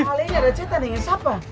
eh alennya ada cetan dengan siapa